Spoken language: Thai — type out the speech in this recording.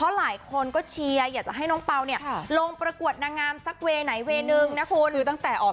แหม่ตั้งแต่